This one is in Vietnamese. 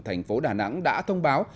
thành phố đà nẵng đã thông báo